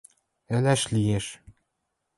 Ӹлӓш лиэш.